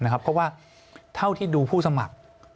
เพราะว่าเท่าที่ดูผู้สมัคร